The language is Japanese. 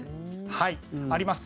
はい、あります。